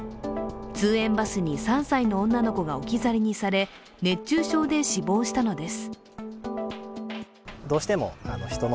通園バスに３歳の女の子が置き去りにされ熱中症で死亡したのです。